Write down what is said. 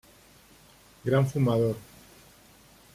Gran fumador.